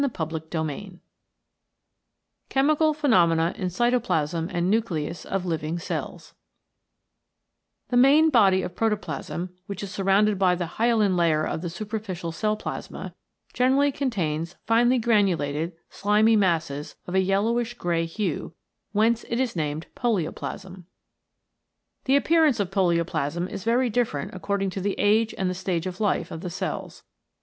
53 CHAPTER V CHEMICAL PHENOMENA IN CYTOPLASM AND NUCLEUS OF LIVING CELLS r I ^HE main body of protoplasm, which is _L surrounded by the hyalin layer of the superficial cell plasma, generally contains finely granulated, slimy masses of a yellowish grey hue, whence it is named Polioplasm. The appearance of polioplasm is very different according to the age and the stage of life of the cells.